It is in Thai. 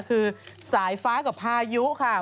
คือสายฟ้ากับพายุค่ะ